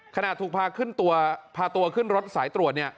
ขนาดถูกพาตัวขึ้นรถสายตรวจ